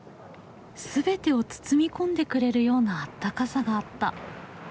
全てを包み込んでくれるようなあったかさがあった。